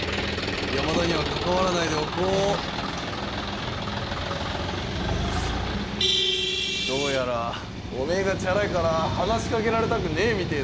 山田には関わらないでおこうどうやらオメエがチャラいから話しかけられたくねえみてえだ。